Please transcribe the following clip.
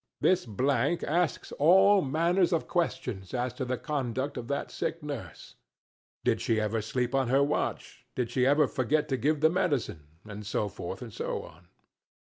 This blank asks all manners of questions as to the conduct of that sick nurse: 'Did she ever sleep on her watch? Did she ever forget to give the medicine?' and so forth and so on.